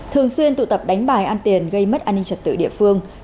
thường xuyên tụ tập đánh bài ăn tiền gây mất an ninh trật tự địa phương